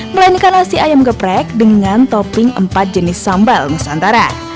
melainkan nasi ayam geprek dengan topping empat jenis sambal nusantara